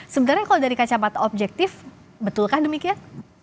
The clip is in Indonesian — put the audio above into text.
sebenarnya kalau dari kacamata objektif betulkah demikian